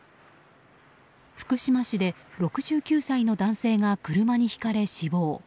福島市で６９歳の男性が車にひかれ、死亡。